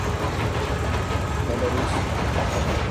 Belarus